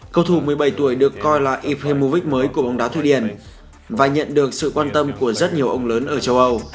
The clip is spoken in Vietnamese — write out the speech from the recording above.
cầu thủ một mươi bảy tuổi được coi là iphemovic mới của bóng đá thu điền và nhận được sự quan tâm của rất nhiều ông lớn ở châu âu